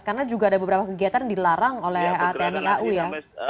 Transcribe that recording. karena juga ada beberapa kegiatan yang dilarang oleh tni au ya